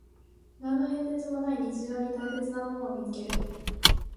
何の変哲もない日常に大切なものを見つける